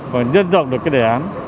và nhân dọc được cái đề án